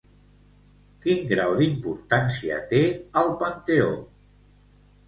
Quin grau d'importància té al panteó?